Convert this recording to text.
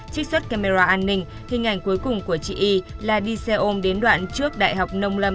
trích xuất camera an ninh hình ảnh cuối cùng của chị y là đi xe ôm đến đoạn trước đại học nông lâm